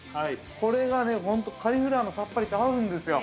これが本当、カリフラワーのさっぱりと合うんですよ。